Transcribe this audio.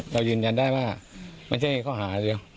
ขอยืนยันได้ว่ามันเลยไม่ใช่ข้าวหาเทียบ